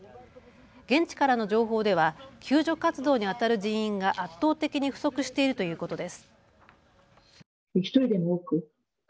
現地からの情報では救助活動にあたる人員が圧倒的に不足しているということです。